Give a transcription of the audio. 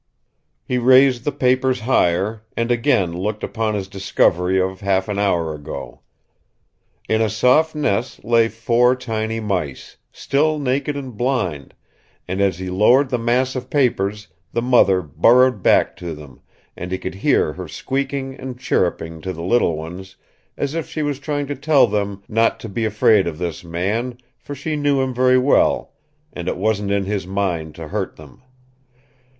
He raised the papers higher, and again looked upon his discovery of half an hour ago. In a soft nest lay four tiny mice, still naked and blind, and as he lowered the mass of papers the mother burrowed back to them, and he could hear her squeaking and chirruping to the little ones, as if she was trying to tell them not to be afraid of this man, for she knew him very well, and it wasn't in his mind to hurt them.